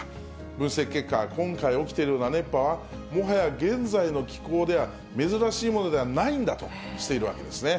分析結果では、今回起きているような熱波は、もはや現在の気候では珍しいものではないんだとしているわけですね。